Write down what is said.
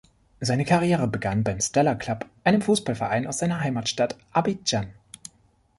Seine Karriere begann beim Stella Club, einem Fußballverein aus seiner Heimatstadt Abidjan.